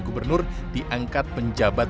gubernur diangkat penjabat